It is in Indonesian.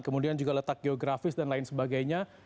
kemudian juga letak geografis dan lain sebagainya